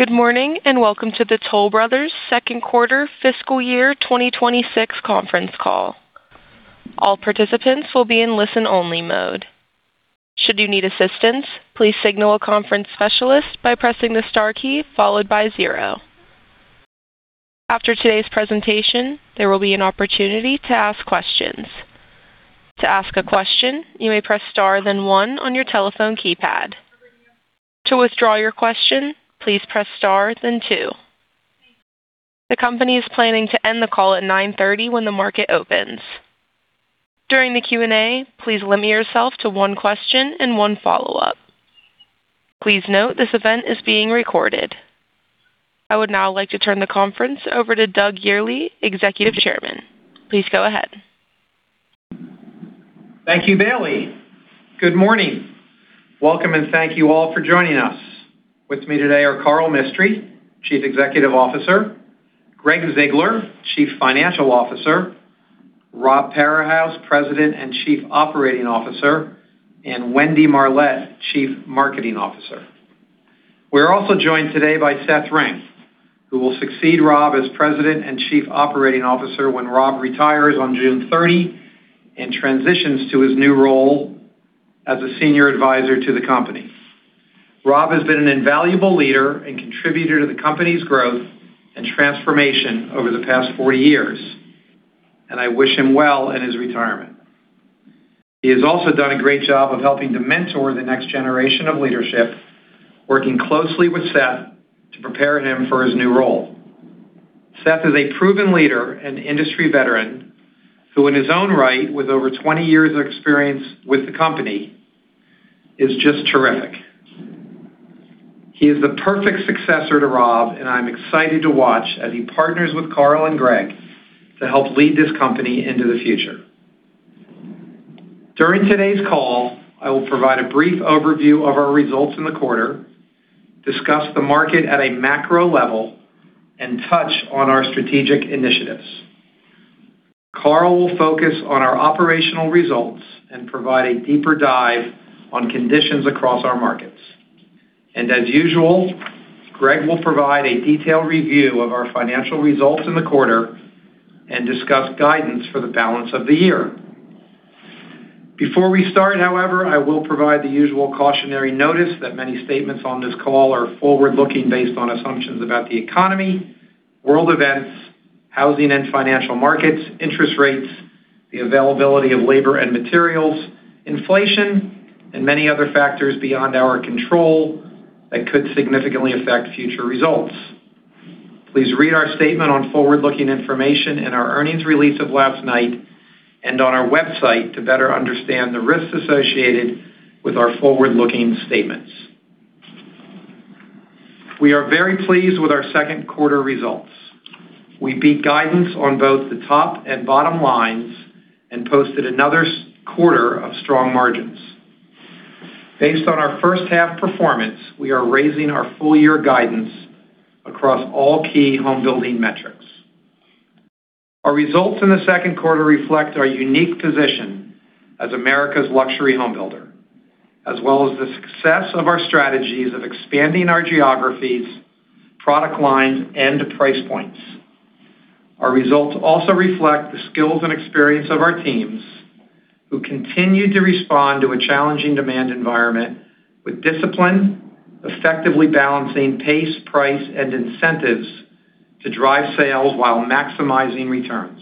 Good morning, and welcome to the Toll Brothers' Second Quarter Fiscal Year 2026 Conference Call. All participants will be in listen-only mode. Should you need assistance, please signal a conference specialist by pressing the star key followed by zero. After today's presentation, there will be an opportunity to ask questions. To ask a question, you may press star then one on your telephone keypad. To withdraw your question, please press star then two. The company is planning to end the call at 9:30 A.M. when the market opens. During the Q&A, please limit yourself to one question and one follow-up. Please note this event is being recorded. I would now like to turn the conference over to Doug Yearley, Executive Chairman. Please go ahead. Thank you, Bailey. Good morning. Welcome and thank you all for joining us. With me today are Karl Mistry, Chief Executive Officer, Gregg Ziegler, Chief Financial Officer, Rob Parahus, President and Chief Operating Officer, and Wendy Marlett, Chief Marketing Officer. We're also joined today by Seth Ring, who will succeed Rob as President and Chief Operating Officer when Rob retires on June 30 and transitions to his new role as a Senior Advisor to the company. Rob has been an invaluable leader and contributor to the company's growth and transformation over the past 40 years, and I wish him well in his retirement. He has also done a great job of helping to mentor the next generation of leadership, working closely with Seth to prepare him for his new role. Seth is a proven leader and industry veteran who, in his own right, with over 20 years of experience with the company, is just terrific. He is the perfect successor to Rob, and I'm excited to watch as he partners with Karl and Gregg to help lead this company into the future. During today's call, I will provide a brief overview of our results in the quarter, discuss the market at a macro level, and touch on our strategic initiatives. Karl will focus on our operational results and provide a deeper dive on conditions across our markets. As usual, Gregg will provide a detailed review of our financial results in the quarter and discuss guidance for the balance of the year. Before we start, however, I will provide the usual cautionary notice that many statements on this call are forward-looking based on assumptions about the economy, world events, housing and financial markets, interest rates, the availability of labor and materials, inflation, and many other factors beyond our control that could significantly affect future results. Please read our statement on forward-looking information in our earnings release of last night and on our website to better understand the risks associated with our forward-looking statements. We are very pleased with our second quarter results. We beat guidance on both the top and bottom lines and posted another quarter of strong margins. Based on our first half performance, we are raising our full-year guidance across all key home building metrics. Our results in the second quarter reflect our unique position as America's luxury home builder, as well as the success of our strategies of expanding our geographies, product lines, and price points. Our results also reflect the skills and experience of our teams, who continue to respond to a challenging demand environment with discipline, effectively balancing pace, price, and incentives to drive sales while maximizing returns.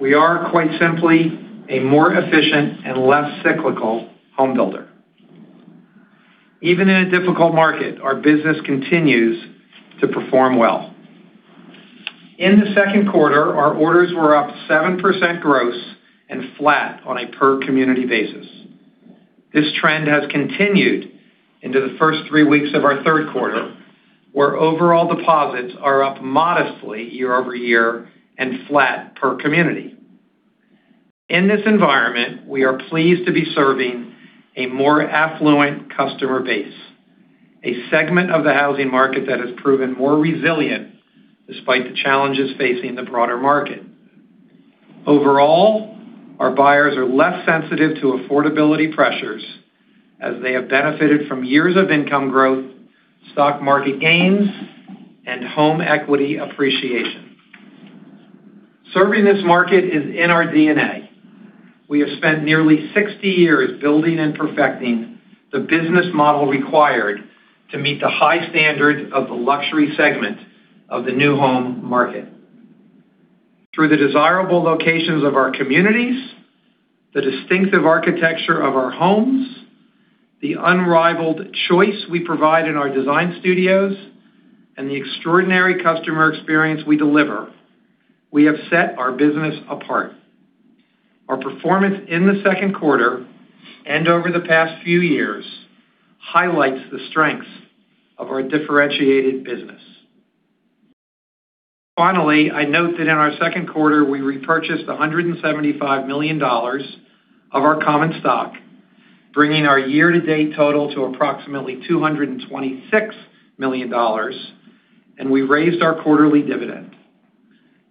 We are, quite simply, a more efficient and less cyclical home builder. Even in a difficult market, our business continues to perform well. In the second quarter, our orders were up 7% gross and flat on a per-community basis. This trend has continued into the first three weeks of our third quarter, where overall deposits are up modestly year-over-year and flat per community. In this environment, we are pleased to be serving a more affluent customer base, a segment of the housing market that has proven more resilient despite the challenges facing the broader market. Overall, our buyers are less sensitive to affordability pressures as they have benefited from years of income growth, stock market gains, and home equity appreciation. Serving this market is in our DNA. We have spent nearly 60 years building and perfecting the business model required to meet the high standards of the luxury segment of the new home market. Through the desirable locations of our communities, the distinctive architecture of our homes, the unrivaled choice we provide in our design studios, and the extraordinary customer experience we deliver, we have set our business apart. Our performance in the second quarter and over the past few years highlights the strength of our differentiated business. Finally, I note that in our 2nd quarter, we repurchased $175 million of our common stock, bringing our year-to-date total to approximately $226 million, and we raised our quarterly dividend.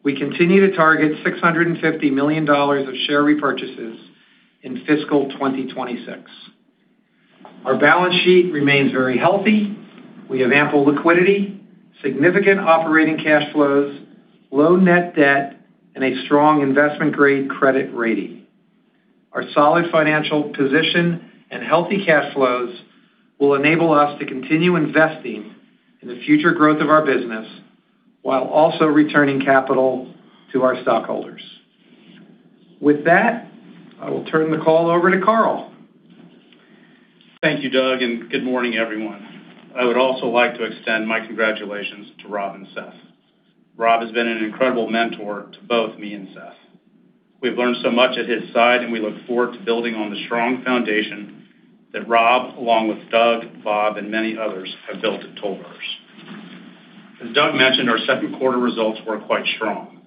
We continue to target $650 million of share repurchases in fiscal 2026. Our balance sheet remains very healthy. We have ample liquidity, significant operating cash flows, low net debt, and a strong investment-grade credit rating. Our solid financial position and healthy cash flows will enable us to continue investing in the future growth of our business while also returning capital to our stockholders. With that, I will turn the call over to Karl. Thank you, Doug, and good morning, everyone. I would also like to extend my congratulations to Rob and Seth. Rob has been an incredible mentor to both me and Seth. We've learned so much at his side, and we look forward to building on the strong foundation that Rob, along with Doug, Bob, and many others, have built at Toll Brothers. As Doug mentioned, our second quarter results were quite strong.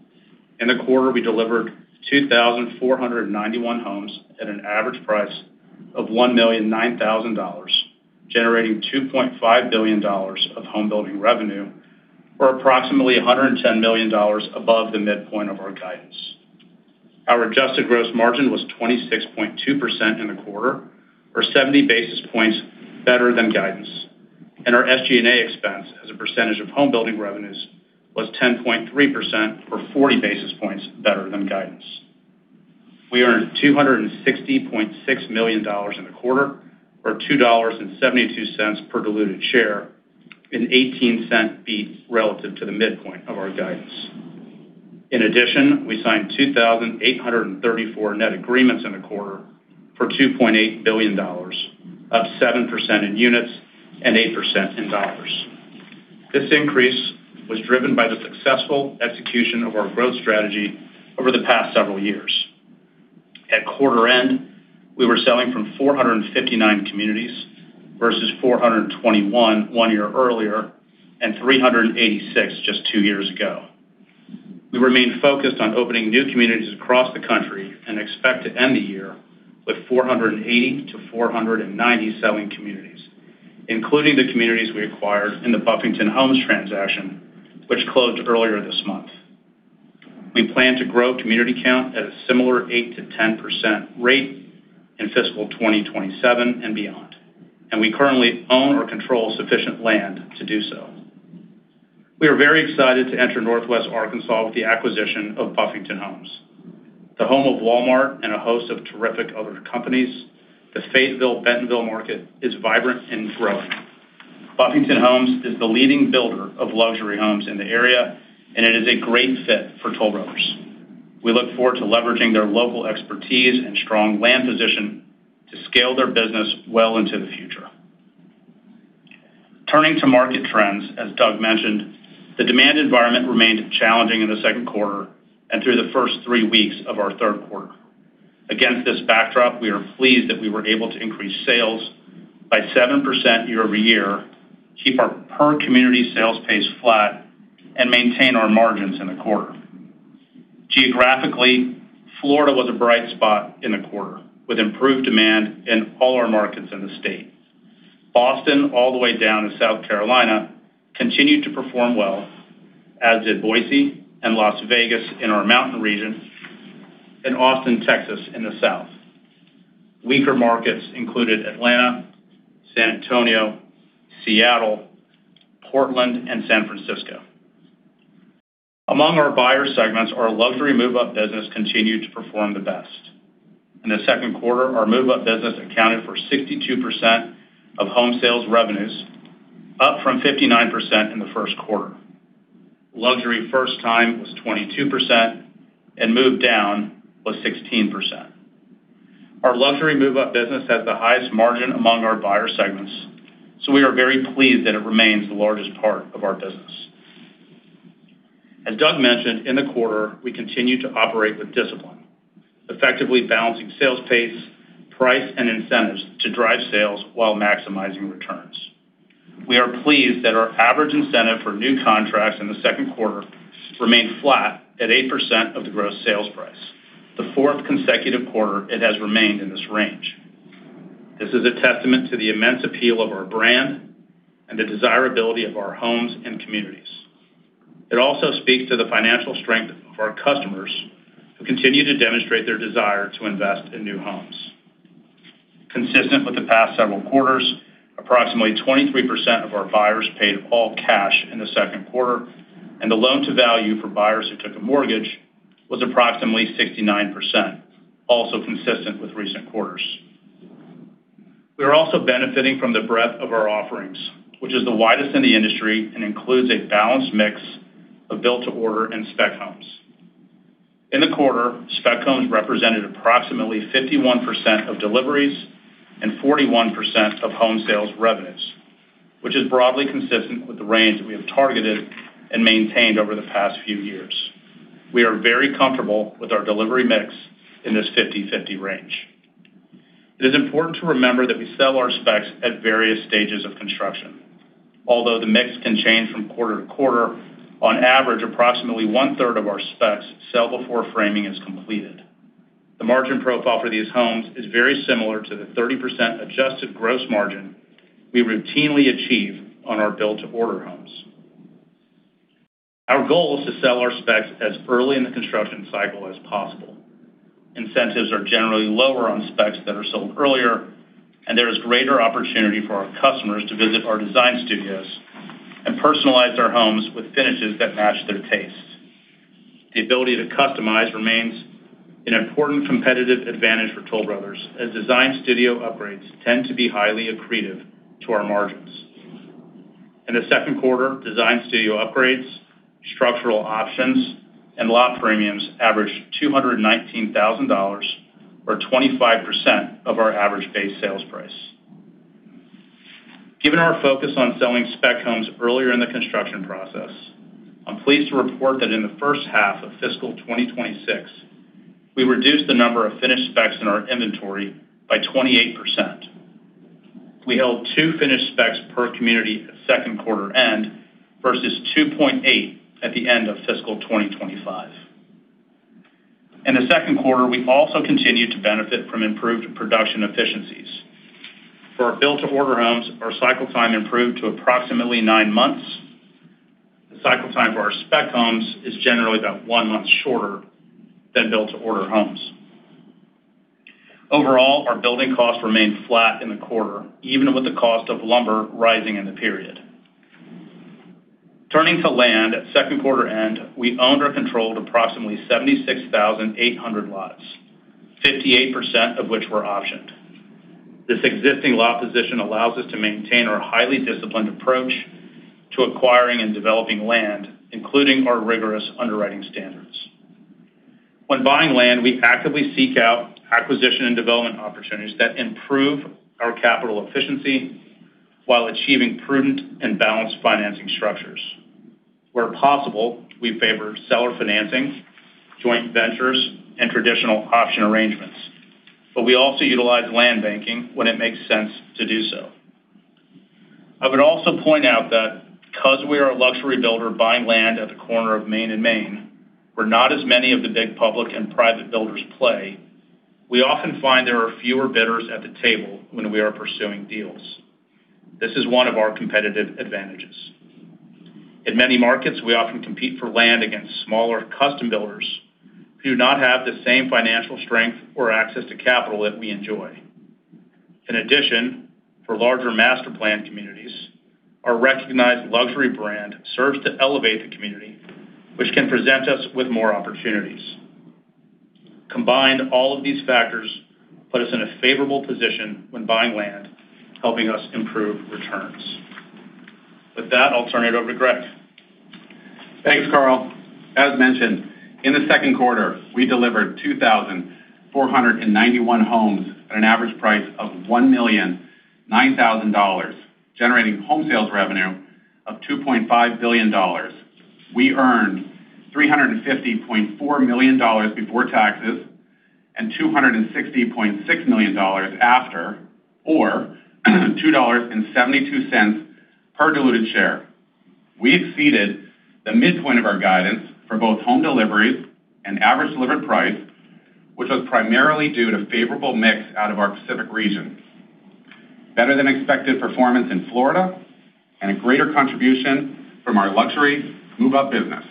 In the quarter, we delivered 2,491 homes at an average price of $1,009,000, generating $2.5 billion of home building revenue, or approximately $110 million above the midpoint of our guidance. Our adjusted gross margin was 26.2% in the quarter, or 70 basis points better than guidance. Our SG&A expense as a percentage of home building revenues was 10.3%, or 40 basis points better than guidance. We earned $260.6 million in the quarter, or $2.72 per diluted share, an $0.18 beat relative to the midpoint of our guidance. In addition, we signed 2,834 net agreements in the quarter for $2.8 billion, up 7% in units and 8% in dollars. This increase was driven by the successful execution of our growth strategy over the past several years. At quarter end, we were selling from 459 communities versus 421 one year earlier, and 386 just two years ago. We remain focused on opening new communities across the country and expect to end the year with 480-490 selling communities, including the communities we acquired in the Buffington Homes transaction, which closed earlier this month. We plan to grow community count at a similar 8%-10% rate in fiscal 2027 and beyond, we currently own or control sufficient land to do so. We are very excited to enter Northwest Arkansas with the acquisition of Buffington Homes. The home of Walmart and a host of terrific other companies, the Fayetteville-Bentonville market is vibrant and growing. Buffington Homes is the leading builder of luxury homes in the area, and it is a great fit for Toll Brothers. We look forward to leveraging their local expertise and strong land position to scale their business well into the future. Turning to market trends, as Doug mentioned, the demand environment remained challenging in the second quarter and through the first three weeks of our third quarter. Against this backdrop, we are pleased that we were able to increase sales by 7% year-over-year, keep our per community sales pace flat, and maintain our margins in the quarter. Geographically, Florida was a bright spot in the quarter, with improved demand in all our markets in the state. Boston, all the way down to South Carolina, continued to perform well, as did Boise and Las Vegas in our Mountain region, and Austin, Texas in the South. Weaker markets included Atlanta, San Antonio, Seattle, Portland, and San Francisco. Among our buyer segments, our luxury move-up business continued to perform the best. In the second quarter, our move-up business accounted for 62% of home sales revenues, up from 59% in the first quarter. Luxury first time was 22%, and move down was 16%. Our luxury move-up business has the highest margin among our buyer segments, so we are very pleased that it remains the largest part of our business. As Doug mentioned, in the quarter, we continued to operate with discipline, effectively balancing sales pace, price, and incentives to drive sales while maximizing returns. We are pleased that our average incentive for new contracts in the second quarter remained flat at 8% of the gross sales price, the fourth consecutive quarter it has remained in this range. This is a testament to the immense appeal of our brand and the desirability of our homes and communities. It also speaks to the financial strength of our customers, who continue to demonstrate their desire to invest in new homes. Consistent with the past several quarters, approximately 23% of our buyers paid all cash in the second quarter, and the loan-to-value for buyers who took a mortgage was approximately 69%, also consistent with recent quarters. We are also benefiting from the breadth of our offerings, which is the widest in the industry and includes a balanced mix of built-to-order and spec homes. In the quarter, spec homes represented approximately 51% of deliveries and 41% of home sales revenues, which is broadly consistent with the range that we have targeted and maintained over the past few years. We are very comfortable with our delivery mix in this 50/50 range. It is important to remember that we sell our specs at various stages of construction. Although the mix can change from quarter-to-quarter, on average, approximately one-third of our specs sell before framing is completed. The margin profile for these homes is very similar to the 30% adjusted gross margin we routinely achieve on our build-to-order homes. Our goal is to sell our specs as early in the construction cycle as possible. Incentives are generally lower on specs that are sold earlier, and there is greater opportunity for our customers to visit our design studios and personalize their homes with finishes that match their tastes. The ability to customize remains an important competitive advantage for Toll Brothers, as design studio upgrades tend to be highly accretive to our margins. In the second quarter, design studio upgrades, structural options, and lot premiums averaged $219,000, or 25% of our average base sales price. Given our focus on selling spec homes earlier in the construction process, I'm pleased to report that in the first half of fiscal 2026, we reduced the number of finished specs in our inventory by 28%. We held two finished specs per community at second quarter end versus 2.8 at the end of fiscal 2025. In the second quarter, we also continued to benefit from improved production efficiencies. For our build-to-order homes, our cycle time improved to approximately nine months. The cycle time for our spec homes is generally about one month shorter than build-to-order homes. Overall, our building costs remained flat in the quarter, even with the cost of lumber rising in the period. Turning to land, at second quarter end, we owned or controlled approximately 76,800 lots, 58% of which were optioned. This existing lot position allows us to maintain our highly disciplined approach to acquiring and developing land, including our rigorous underwriting standards. When buying land, we actively seek out acquisition and development opportunities that improve our capital efficiency while achieving prudent and balanced financing structures. Where possible, we favor seller financing, joint ventures, and traditional option arrangements. We also utilize land banking when it makes sense to do so. I would also point out that because we are a luxury builder buying land at the corner of Main and Main, where not as many of the big public and private builders play, we often find there are fewer bidders at the table when we are pursuing deals. This is one of our competitive advantages. In many markets, we often compete for land against smaller custom builders who do not have the same financial strength or access to capital that we enjoy. In addition, for larger master-planned communities, our recognized luxury brand serves to elevate the community, which can present us with more opportunities. Combined, all of these factors put us in a favorable position when buying land, helping us improve returns. With that, I'll turn it over to Gregg. Thanks, Karl. As mentioned, in the second quarter, we delivered 2,491 homes at an average price of $1,009,000, generating home sales revenue of $2.5 billion. We earned $350.4 million before taxes and $260.6 million after, or $2.72 per diluted share. We exceeded the midpoint of our guidance for both home deliveries and average delivered price, which was primarily due to favorable mix out of our Pacific region, better than expected performance in Florida, and a greater contribution from our luxury move-up business.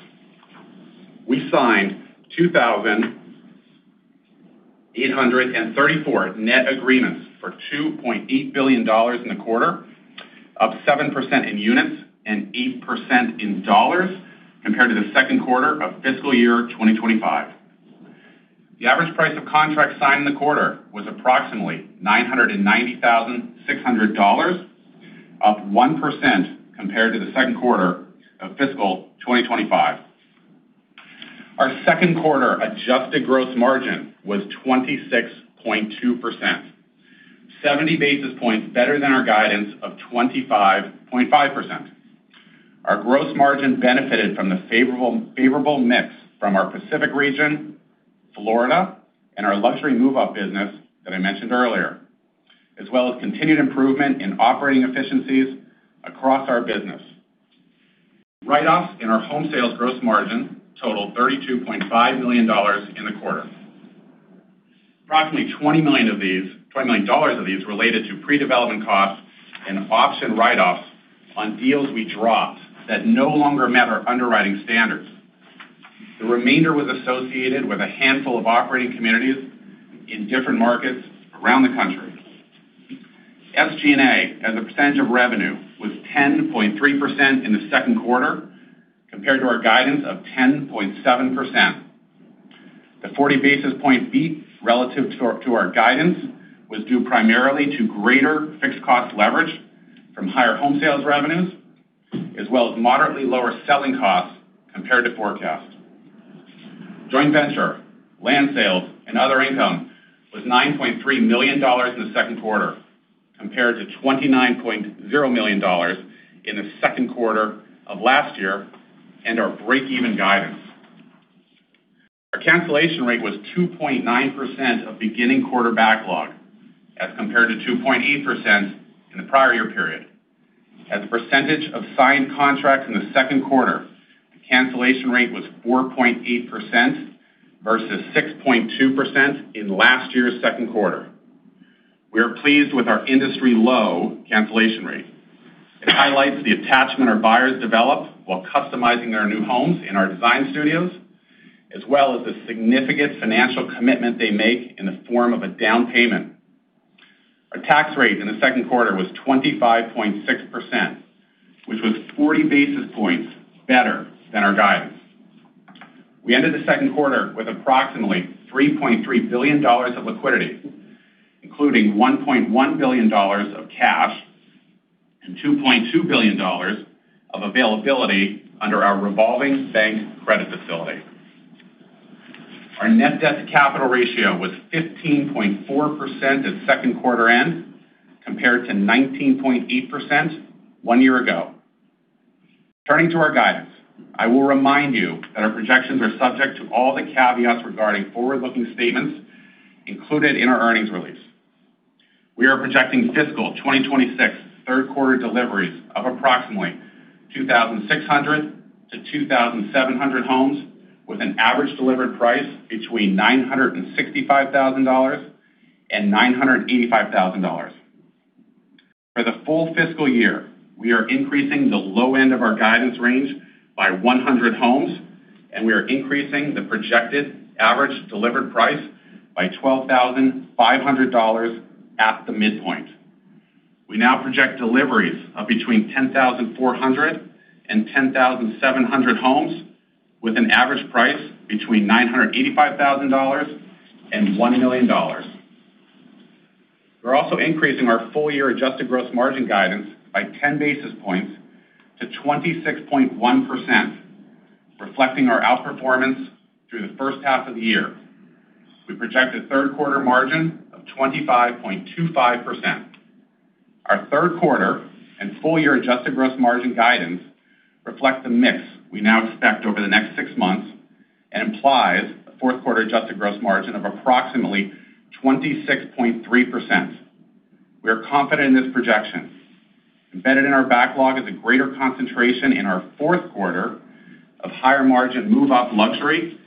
We signed 2,834 net agreements for $2.8 billion in the quarter, up 7% in units and 8% in dollars compared to the second quarter of fiscal year 2025. The average price of contracts signed in the quarter was approximately $990,600, up 1% compared to the second quarter of fiscal year 2025. Our second quarter adjusted gross margin was 26.2%, 70 basis points better than our guidance of 25.5%. Our gross margin benefited from the favorable mix from our Pacific region, Florida, and our luxury move-up business that I mentioned earlier, as well as continued improvement in operating efficiencies across our business. Write-offs in our home sales gross margin totaled $32.5 million in the quarter. Approximately $20 million of these related to pre-development costs and option write-offs on deals we dropped that no longer met our underwriting standards. The remainder was associated with a handful of operating communities in different markets around the country. SG&A as a percentage of revenue was 10.3% in the second quarter, compared to our guidance of 10.7%. The 40 basis point beat relative to our guidance was due primarily to greater fixed cost leverage from higher home sales revenues, as well as moderately lower selling costs compared to forecast. Joint venture, land sales, and other income was $9.3 million in the second quarter compared to $29.0 million in the second quarter of last year and our break-even guidance. Our cancellation rate was 2.9% of beginning quarter backlog as compared to 2.8% in the prior year period. As a percentage of signed contracts in the second quarter, the cancellation rate was 4.8% versus 6.2% in last year's second quarter. We are pleased with our industry-low cancellation rate. It highlights the attachment our buyers develop while customizing their new homes in our design studios, as well as the significant financial commitment they make in the form of a down payment. Our tax rate in the second quarter was 25.6%, which was 40 basis points better than our guidance. We ended the second quarter with approximately $3.3 billion of liquidity, including $1.1 billion of cash and $2.2 billion of availability under our revolving bank credit facility. Our net debt to capital ratio was 15.4% at second quarter end, compared to 19.8% one year ago. Turning to our guidance, I will remind you that our projections are subject to all the caveats regarding forward-looking statements included in our earnings release. We are projecting fiscal 2026 third quarter deliveries of approximately 2,600 to 2,700 homes, with an average delivered price between $965,000 and $985,000. For the full fiscal year, we are increasing the low end of our guidance range by 100 homes. We are increasing the projected average delivered price by $12,500 at the midpoint. We now project deliveries of between 10,400 and 10,700 homes, with an average price between $985,000 and $1 million. We're also increasing our full-year adjusted gross margin guidance by 10 basis points to 26.1%, reflecting our outperformance through the first half of the year. We project a third quarter margin of 25.25%. Our third quarter and full-year adjusted gross margin guidance reflect the mix we now expect over the next six months and implies a fourth quarter adjusted gross margin of approximately 26.3%. We are confident in this projection. Embedded in our backlog is a greater concentration in our fourth quarter of higher-margin move-up luxury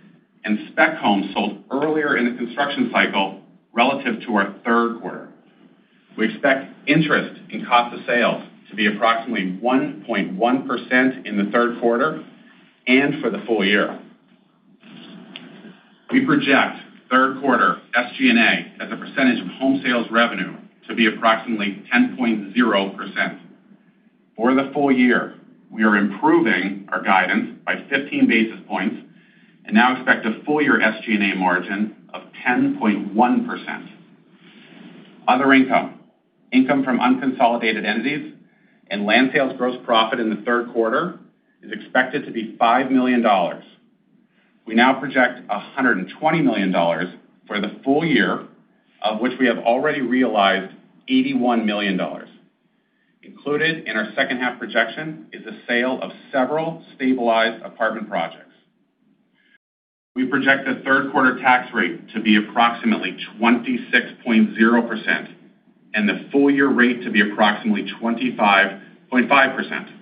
and spec homes sold earlier in the construction cycle relative to our third quarter. We expect interest in cost of sales to be approximately 1.1% in the third quarter and for the full-year. We project third quarter SG&A as a percentage of home sales revenue to be approximately 10.0%. For the full-year, we are improving our guidance by 15 basis points and now expect a full-year SG&A margin of 10.1%. Other income from unconsolidated entities and land sales gross profit in the third quarter is expected to be $5 million. We now project $120 million for the full-year, of which we have already realized $81 million. Included in our second half projection is the sale of several stabilized apartment projects. We project a third quarter tax rate to be approximately 26.0%, and the full-year rate to be approximately 25.5%.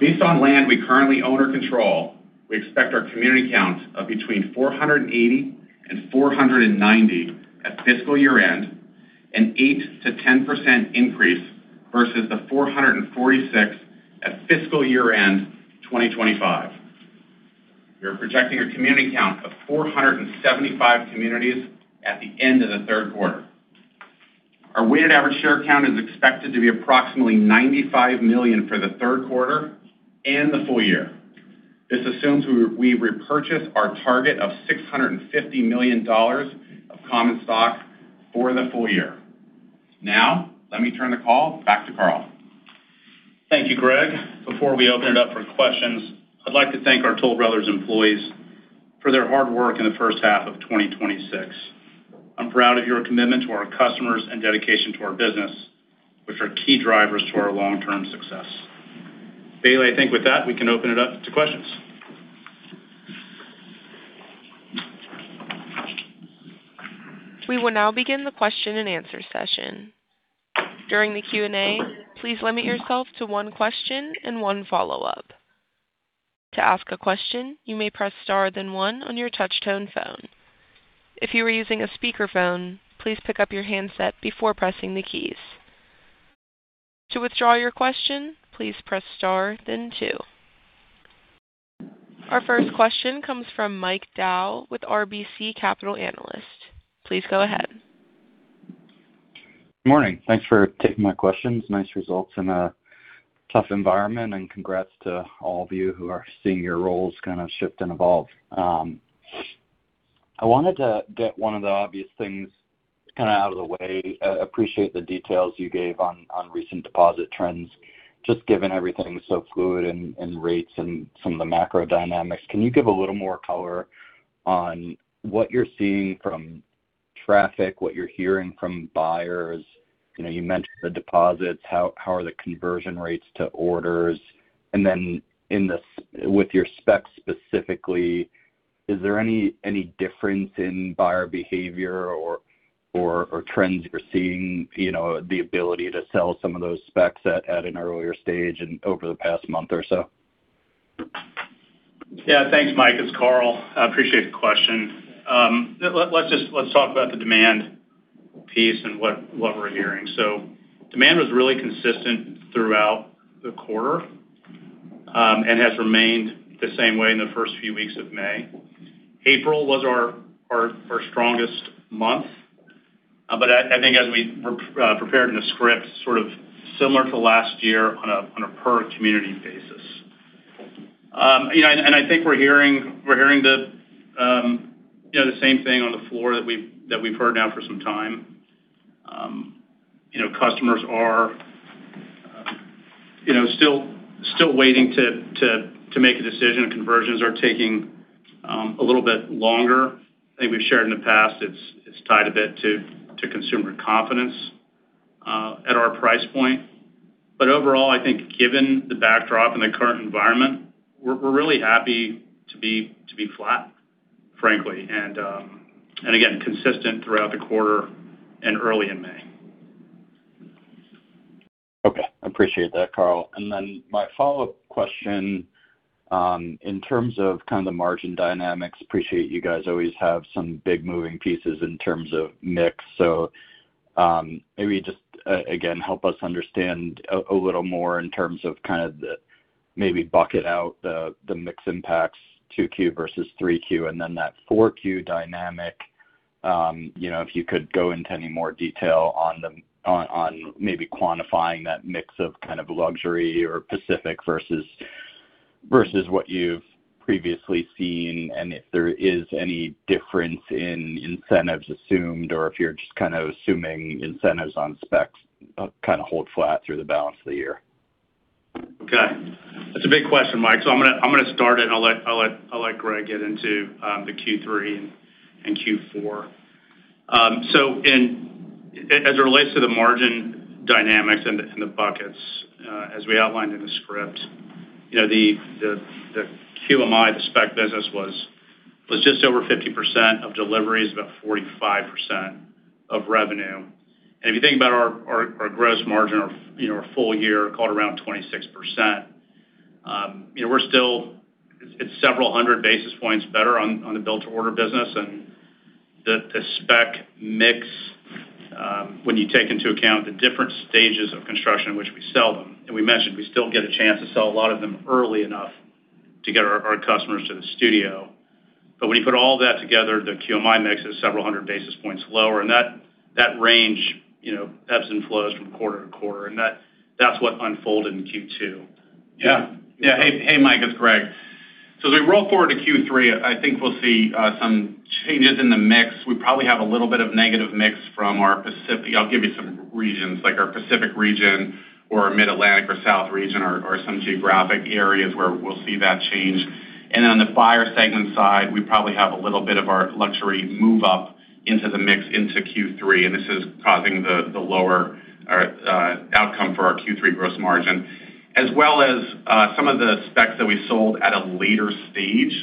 Based on land we currently own or control, we expect our community count of between 480 and 490 at fiscal year-end, an 8%-10% increase versus the 446 at fiscal year-end 2025. We are projecting a community count of 475 communities at the end of the third quarter. Our weighted average share count is expected to be approximately 95 million for the third quarter and the full-year. This assumes we repurchase our target of $650 million of common stock for the full-year. Let me turn the call back to Karl. Thank you, Gregg. Before we open it up for questions, I'd like to thank our Toll Brothers employees for their hard work in the first half of 2026. I'm proud of your commitment to our customers and dedication to our business, which are key drivers to our long-term success. Bailey, I think with that, we can open it up to questions. We will now begin the question and answer session. During the Q&A, please limit yourself to one question and one follow-up. To ask a question you may press star then one on your touchtone phone. If you are using a speakerphone please pick up your handset before pressing the keys. To withdraw your question please press star then two. Our first question comes from Mike Dahl with RBC Capital Markets. Please go ahead. Good morning. Thanks for taking my questions. Nice results in a tough environment, and congrats to all of you who are seeing your roles kind of shift and evolve. I wanted to get one of the obvious things out of the way. I appreciate the details you gave on recent deposit trends. Just given everything's so fluid and rates and some of the macro dynamics, can you give a little more color on what you're seeing from traffic, what you're hearing from buyers? You mentioned the deposits, how are the conversion rates to orders? With your specs specifically is there any difference in buyer behavior or trends you're seeing, the ability to sell some of those specs at an earlier stage and over the past month or so? Yeah. Thanks, Mike. It's Karl. I appreciate the question. Let's talk about the demand piece and what we're hearing. Demand was really consistent throughout the quarter, and has remained the same way in the first few weeks of May. April was our strongest month. I think as we prepared in the script, sort of similar to last year on a per community basis. I think we're hearing the same thing on the floor that we've heard now for some time. Customers are still waiting to make a decision, and conversions are taking a little bit longer. I think we've shared in the past, it's tied a bit to consumer confidence at our price point. Overall, I think given the backdrop and the current environment, we're really happy to be flat, frankly. Again, consistent throughout the quarter and early in May. Okay. Appreciate that, Karl. My follow-up question, in terms of the margin dynamics, appreciate you guys always have some big moving pieces in terms of mix. Maybe just, again, help us understand a little more in terms of the, maybe bucket out the mix impacts 2Q versus 3Q, and then that 4Q dynamic. If you could go into any more detail on maybe quantifying that mix of luxury or Pacific versus what you've previously seen, and if there is any difference in incentives assumed, or if you're just assuming incentives on specs hold flat through the balance of the year? Okay. That's a big question, Mike. I'm going to start it and I'll let Gregg get into the Q3 and Q4. As it relates to the margin dynamics and the buckets, as we outlined in the script, the QMI, the spec business was just over 50% of deliveries, about 45% of revenue. If you think about our gross margin, our full-year called around 26%. It's several hundred basis points better on the build-to-order business, and the spec mix, when you take into account the different stages of construction in which we sell them, and we mentioned we still get a chance to sell a lot of them early enough to get our customers to the studio. When you put all that together, the QMI mix is several hundred basis points lower. That range ebbs and flows from quarter to quarter, and that's what unfolded in Q2. Yeah. Hey, Mike, it's Gregg. As we roll forward to Q3, I think we'll see some changes in the mix. We probably have a little bit of negative mix from our Pacific. I'll give you some regions, like our Pacific Region or Mid-Atlantic or South Region, or some geographic areas where we'll see that change. On the buyer segment side, we probably have a little bit of our luxury move up into the mix into Q3, and this is causing the lower outcome for our Q3 gross margin. As well as some of the specs that we sold at a later stage,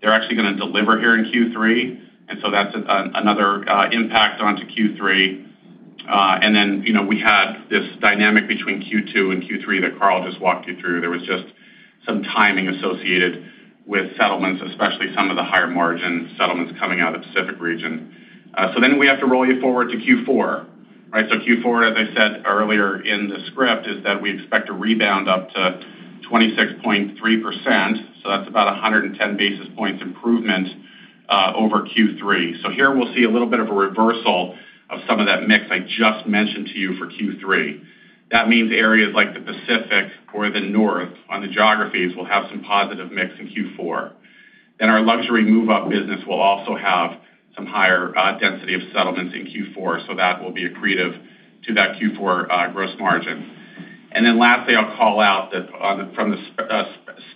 they're actually going to deliver here in Q3. That's another impact onto Q3. We had this dynamic between Q2 and Q3 that Karl just walked you through. There was just some timing associated with settlements, especially some of the higher margin settlements coming out of the Pacific region. We have to roll you forward to Q4. Q4, as I said earlier in the script, is that we expect to rebound up to 26.3%, so that's about 110 basis points improvement over Q3. Here we'll see a little bit of a reversal of some of that mix I just mentioned to you for Q3. That means areas like the Pacific or the North on the geographies will have some positive mix in Q4. Our luxury move-up business will also have some higher density of settlements in Q4, so that will be accretive to that Q4 gross margin. Lastly, I'll call out that from the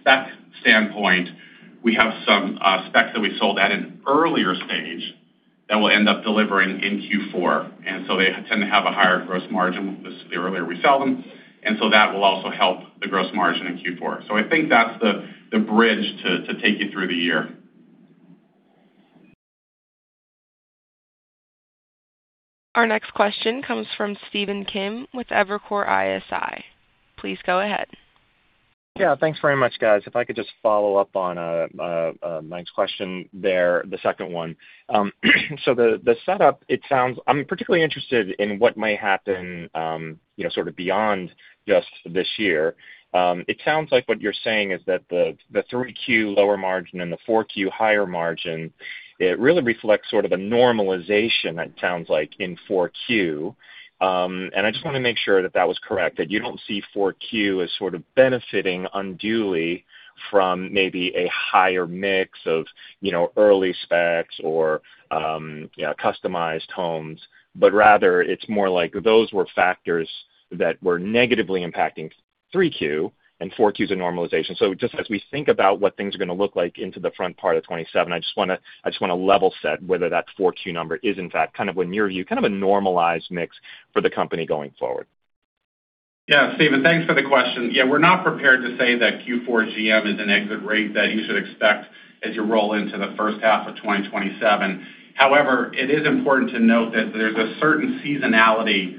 spec standpoint, we have some specs that we sold at an earlier stage that will end up delivering in Q4. They tend to have a higher gross margin the earlier we sell them. That will also help the gross margin in Q4. I think that's the bridge to take you through the year. Our next question comes from Stephen Kim with Evercore ISI. Please go ahead. Yeah. Thanks very much, guys. If I could just follow up on Mike's question there, the second one. The setup, I'm particularly interested in what might happen sort of beyond just this year. It sounds like what you're saying is that the 3Q lower margin and the 4Q higher margin, it really reflects sort of a normalization, it sounds like, in 4Q. I just want to make sure that that was correct, that you don't see 4Q as sort of benefiting unduly from maybe a higher mix of early specs or customized homes. Rather, it's more like those were factors that were negatively impacting 3Q, and 4Q is a normalization. Just as we think about what things are going to look like into the front part of 2027, I just want to level set whether that 4Q number is, in fact, in your view, a normalized mix for the company going forward. Yeah, Stephen, thanks for the question. Yeah, we're not prepared to say that Q4 GM is an exit rate that you should expect as you roll into the first half of 2027. However, it is important to note that there's a certain seasonality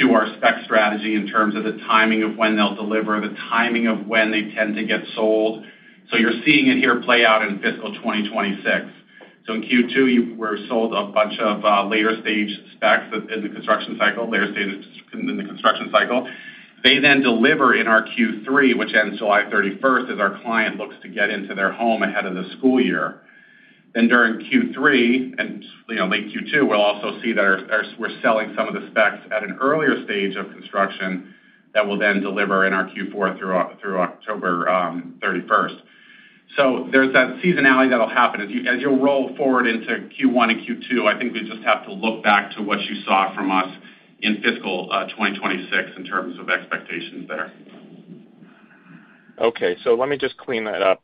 to our spec strategy in terms of the timing of when they'll deliver, the timing of when they tend to get sold. You're seeing it here play out in fiscal 2026. In Q2, we sold a bunch of later stage specs in the construction cycle. They then deliver in our Q3, which ends July 31st, as our client looks to get into their home ahead of the school year. During Q3 and late Q2, we'll also see that we're selling some of the specs at an earlier stage of construction that will then deliver in our Q4 through October 31st. There's that seasonality that'll happen. As you'll roll forward into Q1 and Q2, I think we just have to look back to what you saw from us in fiscal 2026 in terms of expectations there. Let me just clean up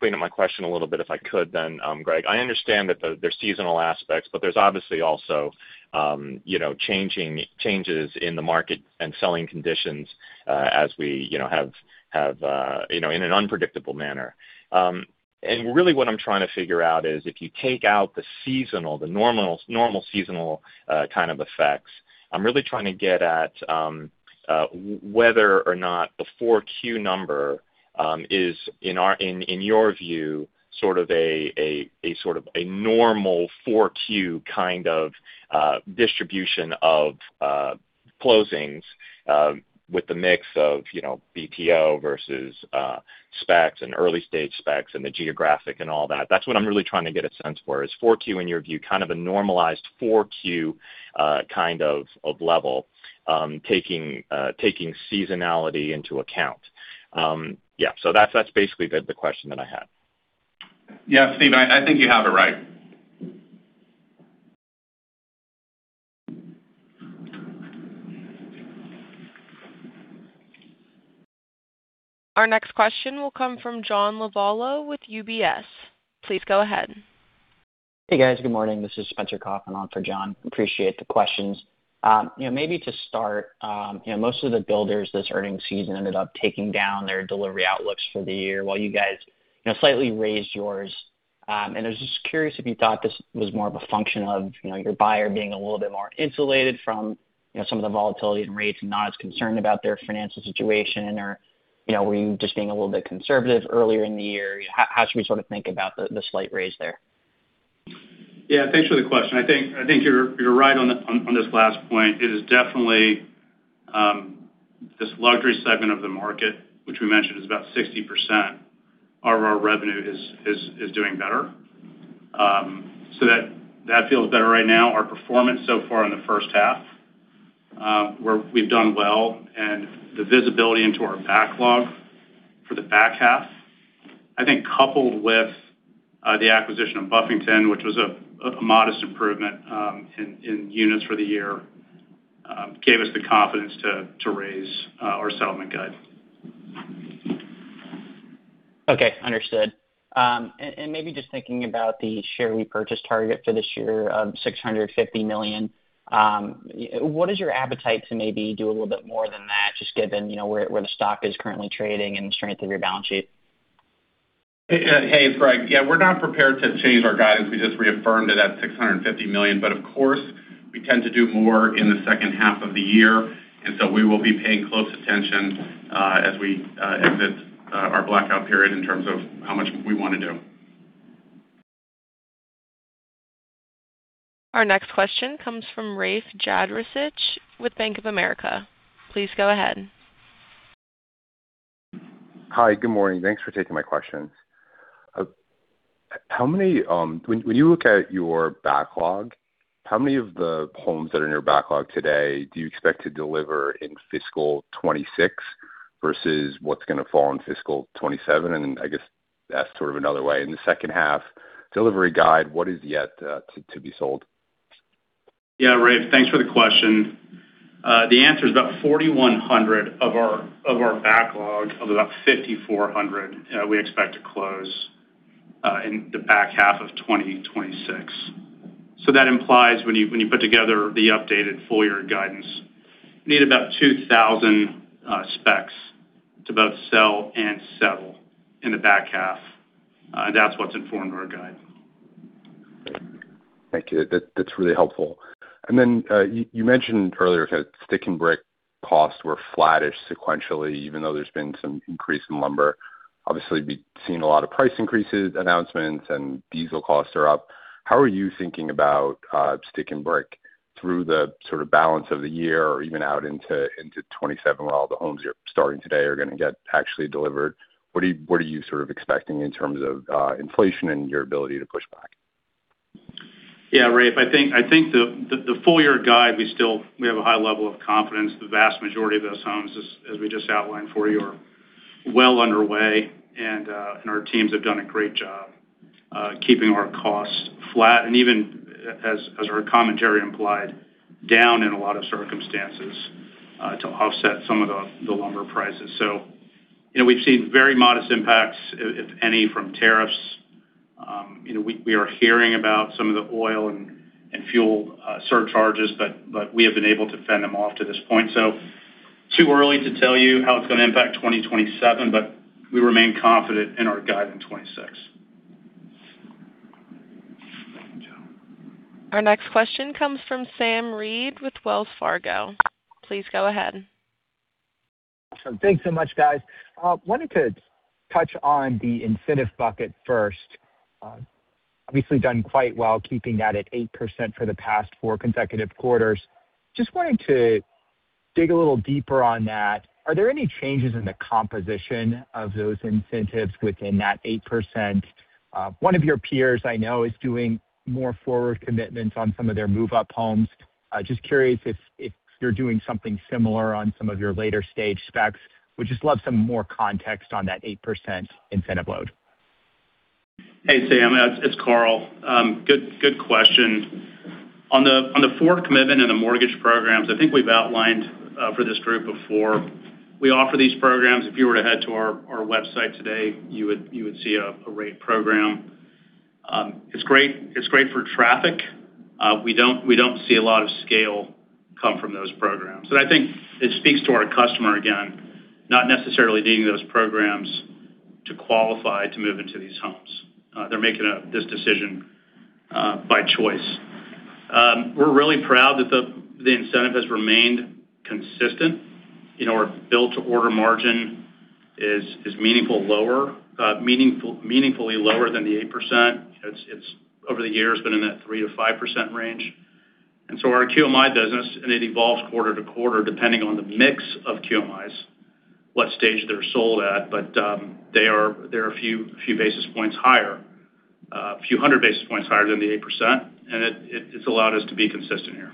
my question a little bit, if I could, Gregg. I understand that there's seasonal aspects, there's obviously also changes in the market and selling conditions in an unpredictable manner. Really what I'm trying to figure out is if you take out the normal seasonal kind of effects, I'm really trying to get at whether or not the 4Q number is, in your view, a sort of a normal 4Q kind of distribution of closings, with the mix of BTO versus specs and early-stage specs and the geographic and all that. That's what I'm really trying to get a sense for. Is 4Q, in your view, kind of a normalized 4Q kind of level, taking seasonality into account? That's basically the question that I had. Yeah, Stephen, I think you have it right. Our next question will come from John Lovallo with UBS. Please go ahead. Hey, guys. Good morning. This is Spencer Kaufman on for John. Appreciate the questions. Maybe to start, most of the builders this earnings season ended up taking down their delivery outlooks for the year while you guys slightly raised yours. I was just curious if you thought this was more of a function of your buyer being a little bit more insulated from some of the volatility and rates and not as concerned about their financial situation, or were you just being a little bit conservative earlier in the year? How should we sort of think about the slight raise there? Yeah, thanks for the question. I think you're right on this last point. It is definitely this luxury segment of the market, which we mentioned is about 60% of our revenue, is doing better. That feels better right now. Our performance so far in the first half, we've done well. The visibility into our backlog for the back half, I think coupled with the acquisition of Buffington, which was a modest improvement in units for the year, gave us the confidence to raise our settlement guide. Okay, understood. Maybe just thinking about the share repurchase target for this year of $650 million, what is your appetite to maybe do a little bit more than that, just given where the stock is currently trading and the strength of your balance sheet? Hey, it's Gregg. Yeah, we're not prepared to change our guidance. We just reaffirmed it at $650 million. Of course, we tend to do more in the second half of the year. We will be paying close attention as we exit our blackout period in terms of how much we want to do. Our next question comes from Rafe Jadrosich with Bank of America. Please go ahead. Hi, good morning. Thanks for taking my questions. When you look at your backlog, how many of the homes that are in your backlog today do you expect to deliver in fiscal 2026 versus what's going to fall in fiscal 2027? I guess ask sort of another way, in the second half delivery guide, what is yet to be sold? Yeah, Rafe, thanks for the question. The answer is about 4,100 of our backlog of about 5,400 we expect to close in the back half of 2026. That implies when you put together the updated full-year guidance, you need about 2,000 specs to both sell and settle in the back half. That's what's informed our guide. Thank you. That is really helpful. You mentioned earlier that stick and brick costs were flattish sequentially, even though there has been some increase in lumber. Obviously, we have seen a lot of price increases, announcements, and diesel costs are up. How are you thinking about stick and brick through the sort of balance of the year or even out into 2027, where all the homes you are starting today are going to get actually delivered? What are you sort of expecting in terms of inflation and your ability to push back? Yeah, Rafe, I think the full-year guide, we have a high level of confidence. The vast majority of those homes, as we just outlined for you, are well underway, and our teams have done a great job keeping our costs flat and even, as our commentary implied, down in a lot of circumstances to offset some of the lumber prices. We've seen very modest impacts, if any, from tariffs. We are hearing about some of the oil and fuel surcharges, but we have been able to fend them off to this point. Too early to tell you how it's going to impact 2027, but we remain confident in our guide in 2026. Joe. Our next question comes from Sam Reid with Wells Fargo. Please go ahead. Awesome. Thanks so much, guys. I wanted to touch on the incentive bucket first. Obviously done quite well keeping that at 8% for the past four consecutive quarters. I just wanted to dig a little deeper on that. Are there any changes in the composition of those incentives within that 8%? One of your peers I know is doing more forward commitments on some of their move-up homes. I'm just curious if you're doing something similar on some of your later-stage specs. I would just love some more context on that 8% incentive load. Hey, Sam. It's Karl. Good question. On the forward commitment and the mortgage programs, I think we've outlined for this group before, we offer these programs. If you were to head to our website today, you would see a rate program. It's great for traffic. We don't see a lot of scale come from those programs. I think it speaks to our customer, again, not necessarily needing those programs to qualify to move into these homes. They're making this decision by choice. We're really proud that the incentive has remained consistent. Our build-to-order margin is meaningfully lower than the 8%. It's, over the years, been in that 3%-5% range. Our QMI business, and it evolves quarter-to-quarter depending on the mix of QMIs, what stage they're sold at, but they are a few basis points higher. A few hundred basis points higher than the 8%, and it's allowed us to be consistent here.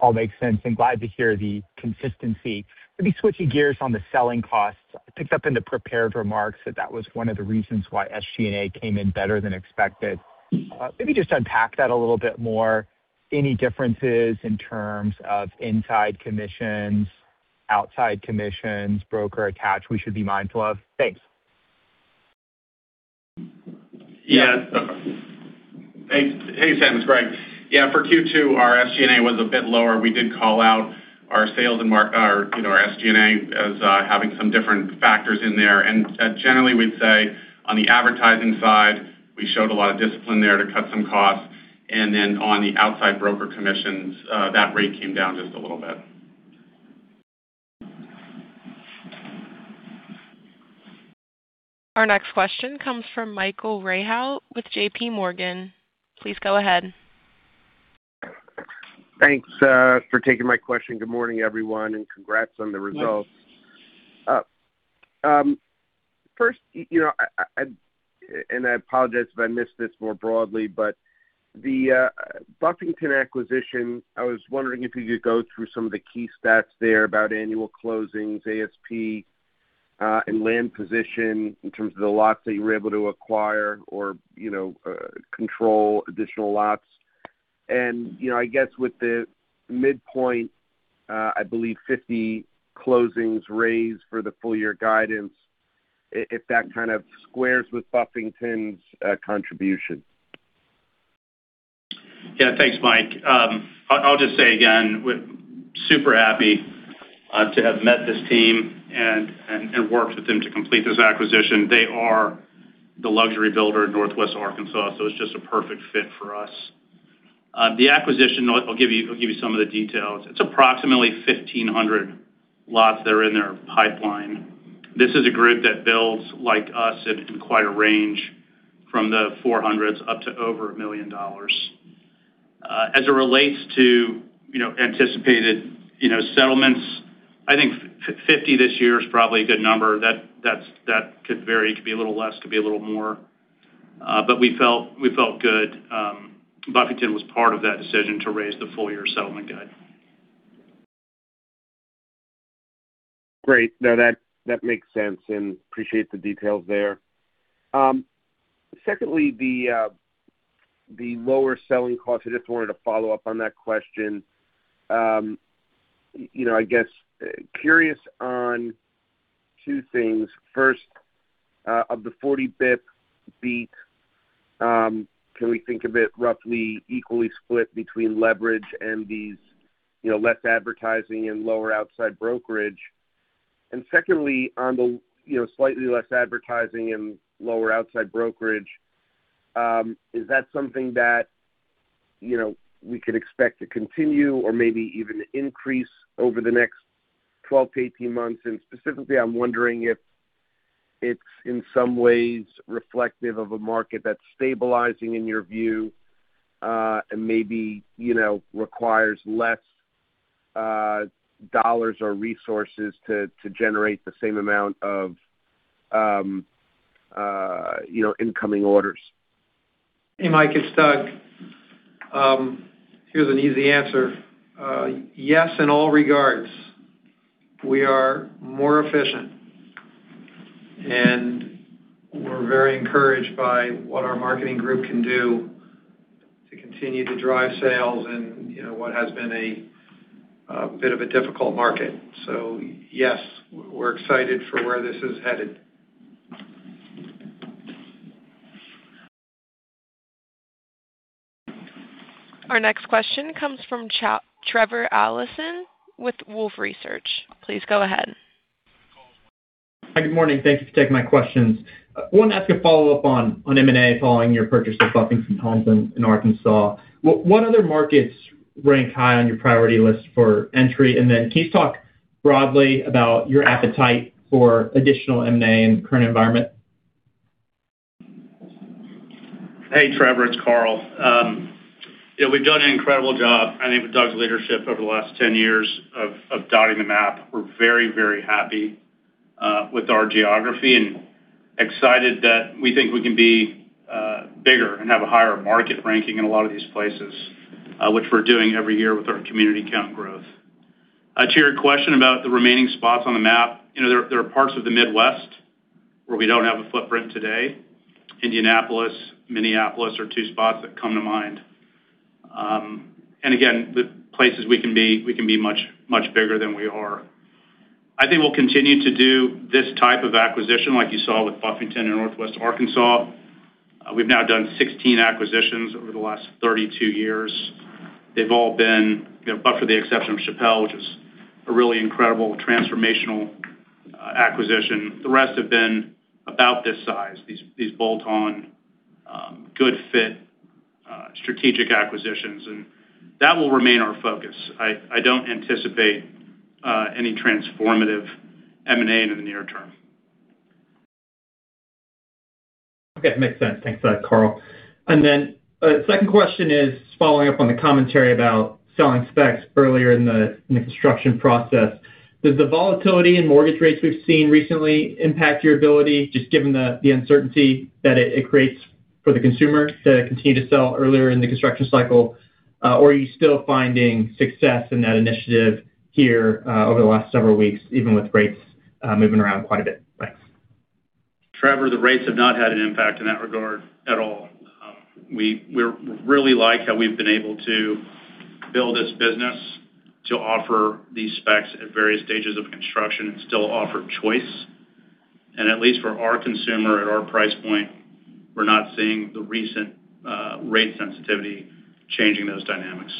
All makes sense. I'm glad to hear the consistency. Let me switch gears on the selling costs. I picked up in the prepared remarks that that was one of the reasons why SG&A came in better than expected. Maybe just unpack that a little bit more. Any differences in terms of inside commissions, outside commissions, broker attach we should be mindful of? Thanks. Yeah. Hey, Sam, it's Gregg. Yeah, for Q2, our SG&A was a bit lower. We did call out our sales and our SG&A as having some different factors in there. Generally, we'd say on the advertising side, we showed a lot of discipline there to cut some costs. Then on the outside broker commissions, that rate came down just a little bit. Our next question comes from Michael Rehaut with JPMorgan. Please go ahead. Thanks, for taking my question. Good morning, everyone, and congrats on the results. Yes. First, I apologize if I missed this more broadly, the Buffington acquisition, I was wondering if you could go through some of the key stats there about annual closings, ASP, and land position in terms of the lots that you were able to acquire or control additional lots. I guess with the midpoint, I believe 50 closings raised for the full-year guidance, if that kind of squares with Buffington's contribution. Yeah. Thanks, Mike. I'll just say again, we're super happy to have met this team and worked with them to complete this acquisition. They are the luxury builder in Northwest Arkansas, so it's just a perfect fit for us. The acquisition, I'll give you some of the details. It's approximately 1,500 lots that are in their pipeline. This is a group that builds, like us, in quite a range from the 400s up to over $1 million. As it relates to anticipated settlements, I think 50 this year is probably a good number. That could vary. It could be a little less, could be a little more. We felt good. Buffington was part of that decision to raise the full-year settlement guide. Great. No, that makes sense, and appreciate the details there. Secondly, the lower selling cost, I just wanted to follow up on that question. I guess, curious on two things. First, of the 40 bip beat, can we think of it roughly equally split between leverage and these less advertising and lower outside brokerage? Secondly, on the slightly less advertising and lower outside brokerage, is that something that we could expect to continue or maybe even increase over the next 12 to 18 months? Specifically, I'm wondering if it's in some ways reflective of a market that's stabilizing in your view, and maybe requires less dollars or resources to generate the same amount of incoming orders. Hey, Mike, it's Doug Yearley. Here's an easy answer. Yes, in all regards. We are more efficient, and we're very encouraged by what our marketing group can do. To continue to drive sales in what has been a bit of a difficult market. Yes, we're excited for where this is headed. Our next question comes from Trevor Allinson with Wolfe Research. Please go ahead. Hi, good morning. Thank you for taking my questions. I wanted to ask a follow-up on M&A following your purchase of Buffington Homes in Arkansas. What other markets rank high on your priority list for entry? Can you talk broadly about your appetite for additional M&A in the current environment? Hey, Trevor, it's Karl. We've done an incredible job, I think, with Doug's leadership over the last 10 years of dotting the map. We're very happy with our geography and excited that we think we can be bigger and have a higher market ranking in a lot of these places, which we're doing every year with our community count growth. To your question about the remaining spots on the map, there are parts of the Midwest where we don't have a footprint today. Indianapolis, Minneapolis are two spots that come to mind. Again, the places we can be much bigger than we are. I think we'll continue to do this type of acquisition like you saw with Buffington in northwest Arkansas. We've now done 16 acquisitions over the last 32 years. They've all been, but for the exception of Shapell, which was a really incredible transformational acquisition, the rest have been about this size, these bolt-on good fit strategic acquisitions, and that will remain our focus. I don't anticipate any transformative M&A in the near term. Okay, makes sense. Thanks for that, Karl. A second question is following up on the commentary about selling specs earlier in the construction process. Does the volatility in mortgage rates we've seen recently impact your ability, just given the uncertainty that it creates for the consumer to continue to sell earlier in the construction cycle? Are you still finding success in that initiative here over the last several weeks, even with rates moving around quite a bit? Thanks. Trevor, the rates have not had an impact in that regard at all. We really like how we've been able to build this business to offer these specs at various stages of construction and still offer choice. At least for our consumer at our price point, we're not seeing the recent rate sensitivity changing those dynamics.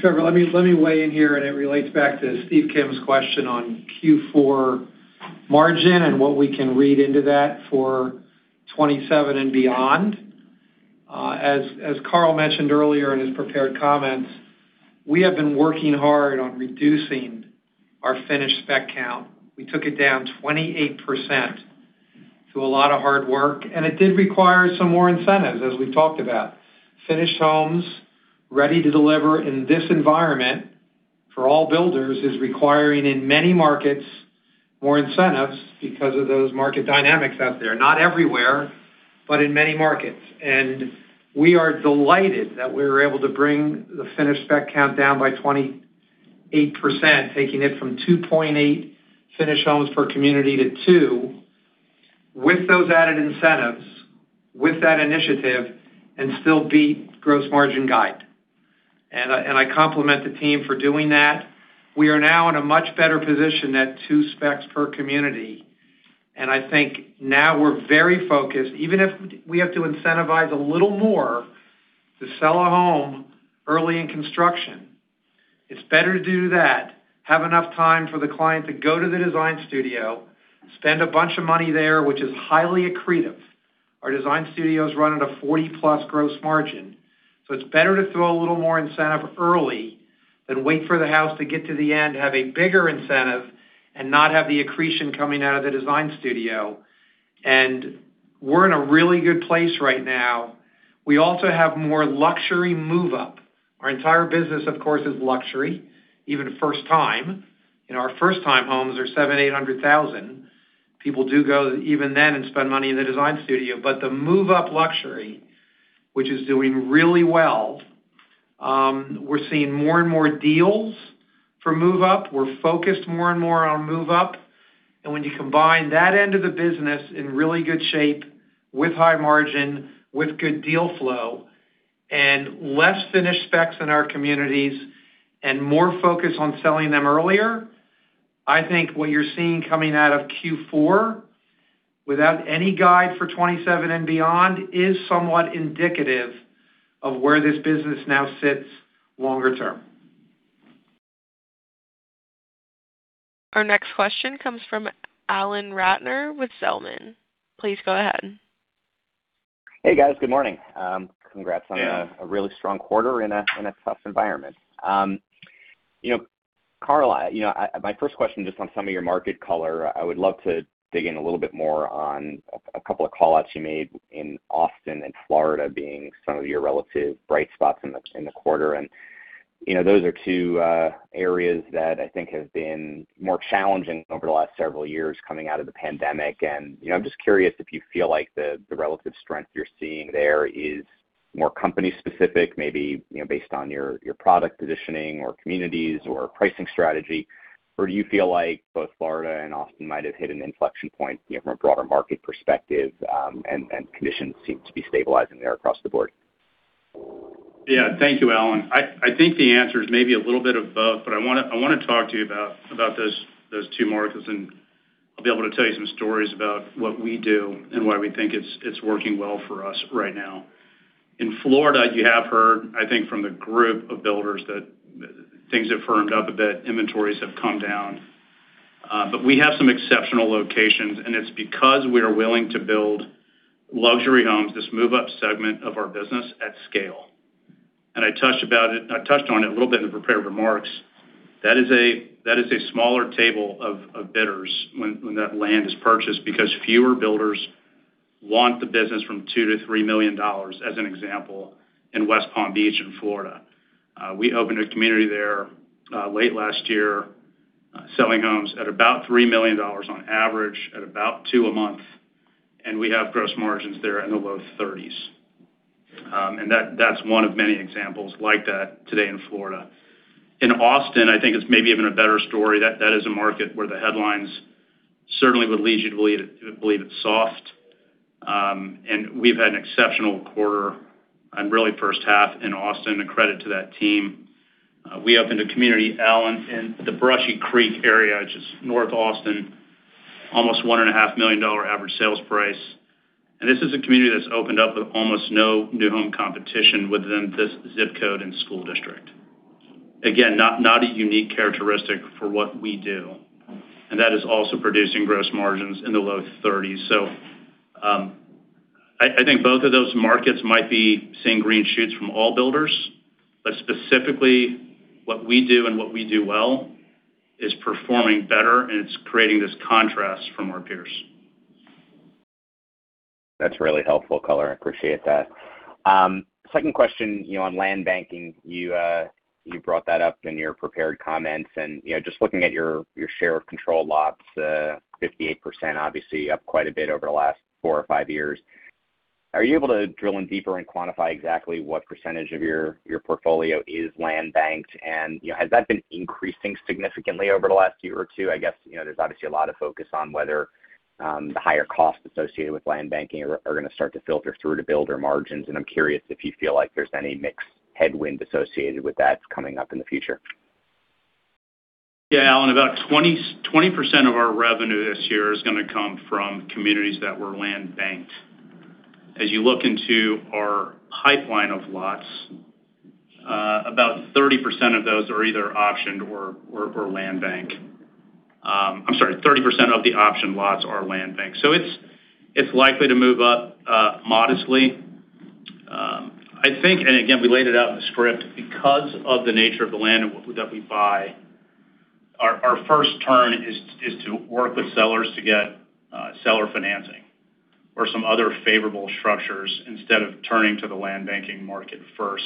Trevor, let me weigh in here, and it relates back to Steve Kim's question on Q4 margin and what we can read into that for 2027 and beyond. As Karl mentioned earlier in his prepared comments, we have been working hard on reducing our finished spec count. We took it down 28% through a lot of hard work, and it did require some more incentives, as we've talked about. Finished homes ready to deliver in this environment for all builders is requiring, in many markets, more incentives because of those market dynamics out there. Not everywhere, but in many markets. We are delighted that we were able to bring the finished spec count down by 28%, taking it from 2.8 finished homes per community to two with those added incentives, with that initiative, and still beat gross margin guide. I compliment the team for doing that. We are now in a much better position at two specs per community, and I think now we're very focused. Even if we have to incentivize a little more to sell a home early in construction, it's better to do that, have enough time for the client to go to the design studio, spend a bunch of money there, which is highly accretive. Our design studios run at a 40-plus gross margin, it's better to throw a little more incentive early than wait for the house to get to the end, have a bigger incentive, and not have the accretion coming out of the design studio. We're in a really good place right now. We also have more luxury move-up. Our entire business, of course, is luxury, even first time. Our first-time homes are $700,000, $800,000. People do go even then and spend money in the design studio. The move-up luxury, which is doing really well, we're seeing more and more deals for move-up. We're focused more and more on move-up. When you combine that end of the business in really good shape with high margin, with good deal flow, and less finished specs in our communities and more focus on selling them earlier, I think what you're seeing coming out of Q4 without any guide for 2027 and beyond is somewhat indicative of where this business now sits longer term. Our next question comes from Alan Ratner with Zelman. Please go ahead. Hey, guys. Good morning. Yeah A really strong quarter in a tough environment. Karl, my first question just on some of your market color, I would love to dig in a little bit more on a couple of call-outs you made in Austin and Florida being some of your relative bright spots in the quarter. Those are two areas that I think have been more challenging over the last several years coming out of the pandemic. I'm just curious if you feel like the relative strength you're seeing there is more company specific, maybe based on your product positioning or communities or pricing strategy, or do you feel like both Florida and Austin might have hit an inflection point from a broader market perspective, and conditions seem to be stabilizing there across the board? Yeah. Thank you, Alan. I think the answer is maybe a little bit of both. I want to talk to you about those two markets, and I'll be able to tell you some stories about what we do and why we think it's working well for us right now. In Florida, you have heard, I think from the group of builders, that things have firmed up a bit. Inventories have come down. We have some exceptional locations, and it's because we are willing to build luxury homes, this move-up segment of our business, at scale. I touched on it a little bit in the prepared remarks. That is a smaller table of bidders when that land is purchased because fewer builders want the business from $2 million-$3 million, as an example, in West Palm Beach in Florida. We opened a community there late last year, selling homes at about $3 million on average, at about two a month. We have gross margins there in the low 30s. That's one of many examples like that today in Florida. In Austin, I think it's maybe even a better story. That is a market where the headlines certainly would lead you to believe it's soft. We've had an exceptional quarter and really first half in Austin, a credit to that team. We opened a community, Alan, in the Brushy Creek area, just north Austin, almost $1.5 million average sales price. This is a community that's opened up with almost no new home competition within this ZIP code and school district. Again, not a unique characteristic for what we do. That is also producing gross margins in the low 30s. I think both of those markets might be seeing green shoots from all builders, but specifically, what we do and what we do well is performing better, and it's creating this contrast from our peers. That's really helpful color. I appreciate that. Second question on land banking. You brought that up in your prepared comments, and just looking at your share of control lots, 58%, obviously up quite a bit over the last four or five years. Are you able to drill in deeper and quantify exactly what percentage of your portfolio is land banked? Has that been increasing significantly over the last year or two? I guess there's obviously a lot of focus on whether the higher costs associated with land banking are going to start to filter through to builder margins, and I'm curious if you feel like there's any mix headwind associated with that's coming up in the future. Alan, about 20% of our revenue this year is going to come from communities that were land banked. As you look into our pipeline of lots, about 30% of those are either optioned or land bank. I'm sorry, 30% of the optioned lots are land banked. It's likely to move up modestly. I think, and again, we laid it out in the script, because of the nature of the land that we buy, our first turn is to work with sellers to get seller financing or some other favorable structures instead of turning to the land banking market first.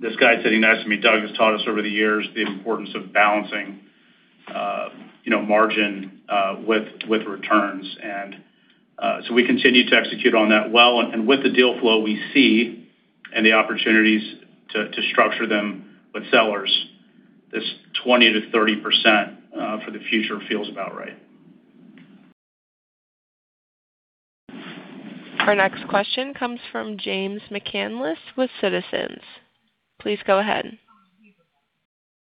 This guy sitting next to me, Doug, has taught us over the years the importance of balancing margin with returns. We continue to execute on that well, and with the deal flow we see and the opportunities to structure them with sellers, this 20%-30% for the future feels about right. Our next question comes from James McCanless with Citizens. Please go ahead.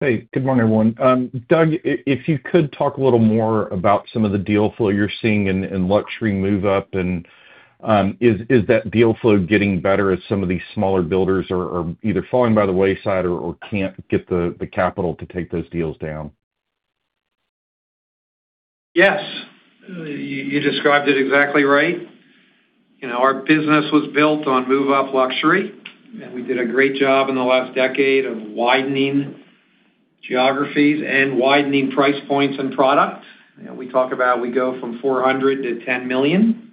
Hey, good morning, everyone. Doug, if you could talk a little more about some of the deal flow you're seeing in luxury move up, and is that deal flow getting better as some of these smaller builders are either falling by the wayside or can't get the capital to take those deals down? Yes. You described it exactly right. Our business was built on move-up luxury, and we did a great job in the last decade of widening geographies and widening price points and product. We talk about we go from $400 to $10 million.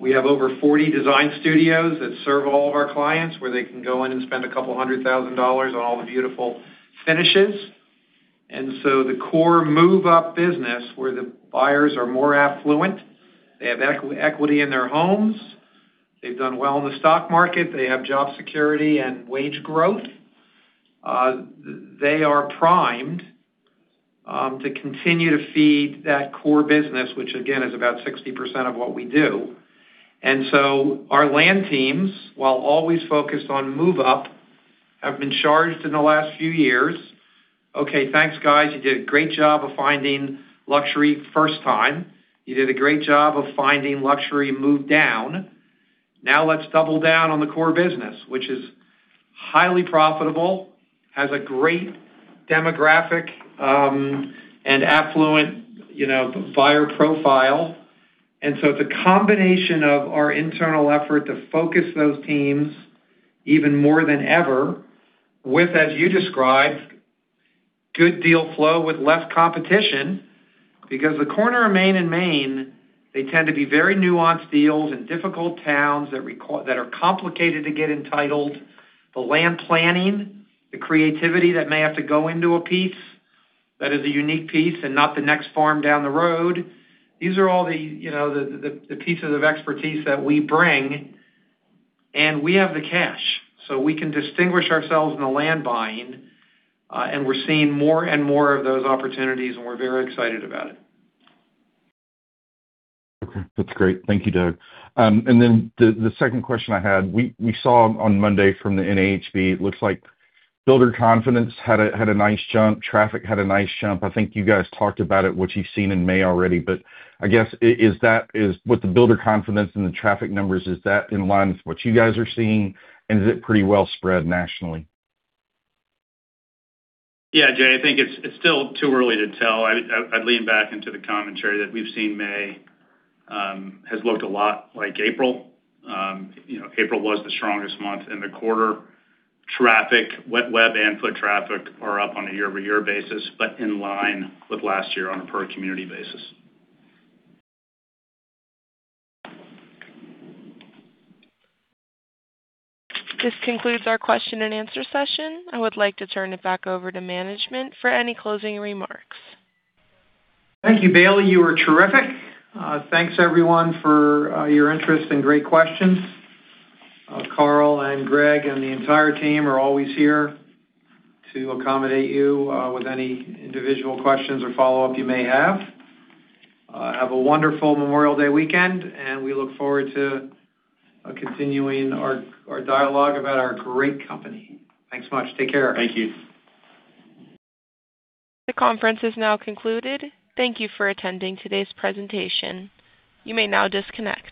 We have over 40 design studios that serve all of our clients, where they can go in and spend $200,000 on all the beautiful finishes. The core move-up business, where the buyers are more affluent, they have equity in their homes, they've done well in the stock market, they have job security and wage growth. They are primed to continue to feed that core business, which again, is about 60% of what we do. Our land teams, while always focused on move up, have been charged in the last few years. Okay, thanks, guys. You did a great job of finding luxury first time. You did a great job of finding luxury move down. Now let's double down on the core business, which is highly profitable, has a great demographic, and affluent buyer profile. It's a combination of our internal effort to focus those teams even more than ever with, as you described, good deal flow with less competition. Because the corner of Main and Main, they tend to be very nuanced deals in difficult towns that are complicated to get entitled. The land planning, the creativity that may have to go into a piece that is a unique piece and not the next farm down the road. These are all the pieces of expertise that we bring, and we have the cash, so we can distinguish ourselves in the land buying. We're seeing more and more of those opportunities, and we're very excited about it. Okay. That's great. Thank you, Doug. The second question I had, we saw on Monday from the NAHB, it looks like builder confidence had a nice jump. Traffic had a nice jump. I think you guys talked about it, what you've seen in May already. I guess, with the builder confidence and the traffic numbers, is that in line with what you guys are seeing, and is it pretty well spread nationally? Yeah, Jamie, I think it's still too early to tell. I'd lean back into the commentary that we've seen May has looked a lot like April. April was the strongest month in the quarter. Traffic, web and foot traffic are up on a year-over-year basis, but in line with last year on a per community basis. This concludes our question and answer session. I would like to turn it back over to management for any closing remarks. Thank you, Bailey. You were terrific. Thanks, everyone, for your interest and great questions. Karl and Gregg and the entire team are always here to accommodate you with any individual questions or follow-up you may have. Have a wonderful Memorial Day weekend, and we look forward to continuing our dialogue about our great company. Thanks much. Take care. Thank you. The conference is now concluded. Thank you for attending today's presentation. You may now disconnect.